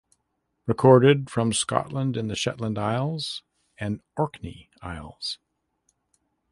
Recorded from Scotland in the Shetland Isles and Orkney Isles.